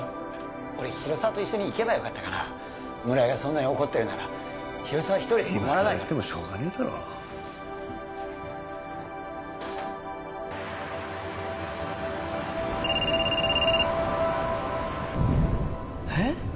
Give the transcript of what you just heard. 俺広沢と一緒に行けばよかったかな村井がそんなに怒ってるなら広沢一人で困らないかな今更言ってもしょうがねえだろ・えッ？